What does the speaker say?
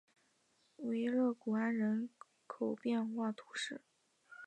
维勒古安人口变化图示